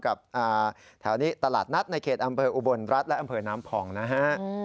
แถวนี้ตลาดนัดในเขตอำเภออุบลรัฐและอำเภอน้ำพองนะฮะ